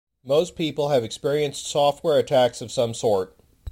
Most people have experienced software attacks of some sort.